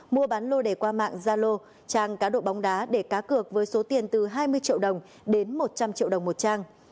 mua bán lô đề qua mạng zalo trang cá độ bóng đá để cá cược với số tiền từ hai mươi triệu đồng đến một trăm linh triệu đồng một trang